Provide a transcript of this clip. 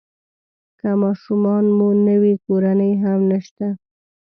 که ماشومان مو نه وي کورنۍ هم نشته.